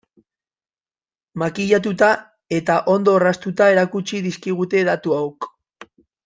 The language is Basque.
Makillatuta eta ondo orraztuta erakutsi dizkigute datuok.